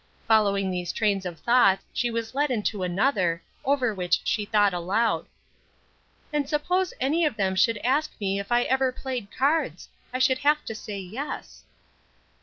Following these trains of thought, she was led into another, over which she thought aloud. "And suppose any of them should ask me if I ever played cards! I should have to say yes."